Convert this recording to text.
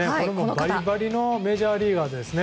バリバリのメジャーリーガー。